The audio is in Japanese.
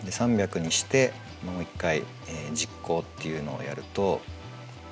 ３００にしてもう一回実行っていうのをやると。